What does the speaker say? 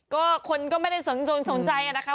ก็คนก็ไม่ได้สนสนใจนะคะ